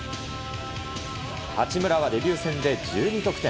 八村はデビュー戦で１２得点。